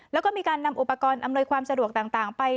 แล้วก็มีการนำอุปกรณ์อำนวยความสะดวกต่างไป